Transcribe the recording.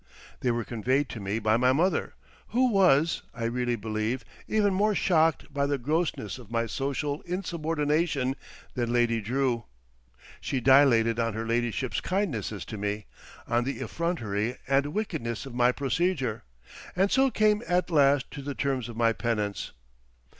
They were conveyed to me by my mother, who was, I really believe, even more shocked by the grossness of my social insubordination than Lady Drew. She dilated on her ladyship's kindnesses to me, on the effrontery and wickedness of my procedure, and so came at last to the terms of my penance.